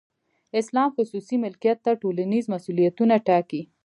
اسلام خصوصي ملکیت ته ټولنیز مسولیتونه ټاکي.